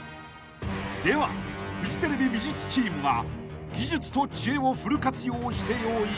［ではフジテレビ美術チームが技術と知恵をフル活用して用意した隠れ場所は？］